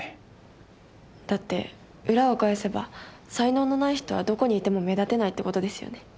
だって裏を返せば才能のない人はどこにいても目立てないってことですよね。